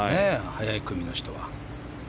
早い組の人は。